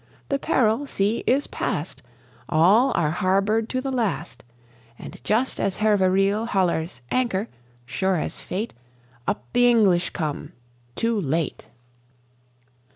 The peril, see, is past, All are harboured to the last, And just as Hervé Riel hollas "Anchor!" sure as fate, Up the English come too late!